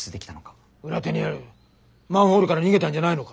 裏手にあるマンホールから逃げたんじゃないのか？